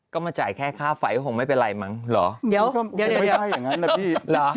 ก็มาจ่ายแค่ค่าไฟก็คงไม่เป็นไรมั้งเหรอเดี๋ยวไม่ได้อย่างนั้นนะพี่